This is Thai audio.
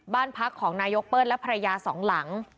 บ้านพักของนายกเปิ้ลและภรรยาสองหลัง